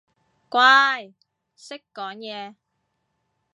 乖，識講嘢